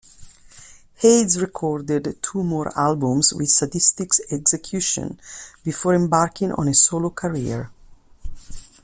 Hades recorded two more albums with Sadistik Exekution before embarking on a solo career.